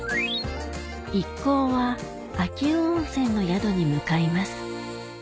一行は秋保温泉の宿に向かいます